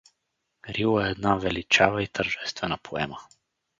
Рила е една величава и тържествена поема.